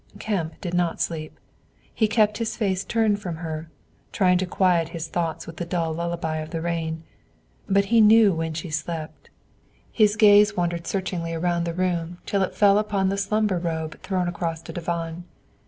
Kemp did not sleep; he kept his face turned from her, trying to quiet his thoughts with the dull lullaby of the rain. But he knew when she slept; his gaze wandered searchingly around the room till it fell upon a slumber robe thrown across a divan.